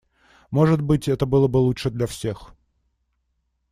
Может быть это было бы лучше для всех.